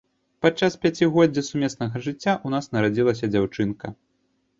Падчас пяцігоддзя сумеснага жыцця ў нас нарадзілася дзяўчынка.